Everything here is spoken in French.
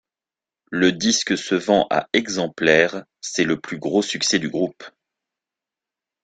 Le disque se vend à exemplaires, c'est le plus gros succès du groupe.